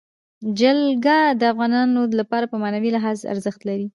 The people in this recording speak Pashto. جلګه د افغانانو لپاره په معنوي لحاظ ارزښت لري.